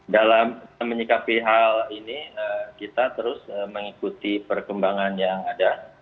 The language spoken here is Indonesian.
dalam menyikapi hal ini kita terus mengikuti perkembangan yang ada